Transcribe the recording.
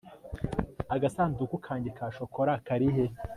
agasanduku kanjye ka shokora karihe